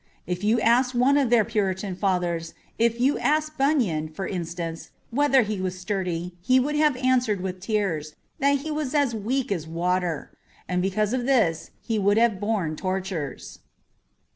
If you asked one of their Puritan fathers, if you asked Bunyan, for instance, whether he was sturdy, he would have answered with tears, that he was as weak as water. And because of this he would have borne tortures.